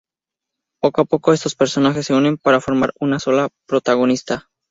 Poco a poco estos personajes se unen para formar una sola protagonista.